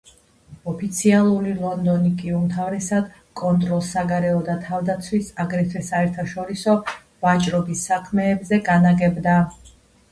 ოფიციალური ლონდონი კი უმთავრესად კონტროლს საგარეო და თავდაცვის, აგრეთვე საერთაშორისო ვაჭრობის საქმეებზე განაგებდა.